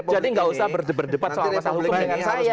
jadi nggak usah berdebat soal pasal hukum dengan saya